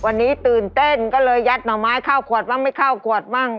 วันนี้ตื่นเต้นก็เลยยัดหน่อไม้เข้าขวดบ้างไม่เข้าขวดมั่ง